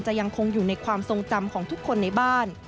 ยังคงอยู่ในความทรงจำของทุกคนในบ้าน